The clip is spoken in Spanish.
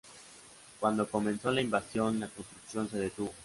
Cuando comenzó la invasión, la construcción se detuvo.